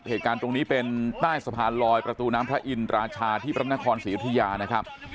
เหตุการณ์ตรงนี้เป็นใต้สะพานลอยประตูน้ำพระอินราชาที่พระนครศรียุธยานะครับ